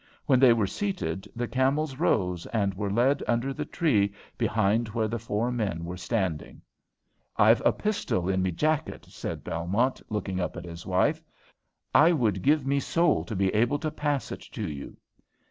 When they were seated the camels rose, and were led under the tree behind where the four men were standing. "I've a pistol in me pocket," said Belmont, looking up at his wife. "I would give me soul to be able to pass it to you."